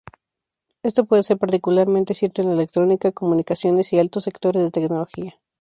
Esto puede ser particularmente cierto en la electrónica, comunicaciones y altos sectores de tecnología.